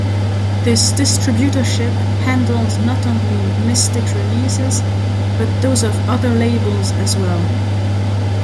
This distributorship handled not only Mystic releases but those of other labels as well.